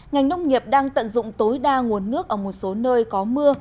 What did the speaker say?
ngành nông nghiệp đang tận dụng tối đa nguồn nước ở một số nơi có mưa